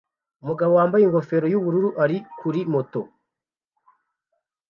Umugabo wambaye ingofero yubururu ari kuri moto